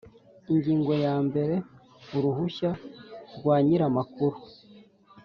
Ingingo ya mbere Uruhushya rwa nyir amakuru